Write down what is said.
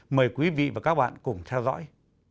mời quý vị và các bạn cùng theo dõi